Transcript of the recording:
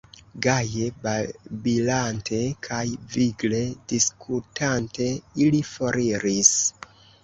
Gaje babilante kaj vigle diskutante, ili foriris.